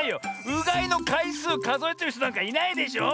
うがいのかいすうかぞえてるひとなんかいないでしょ。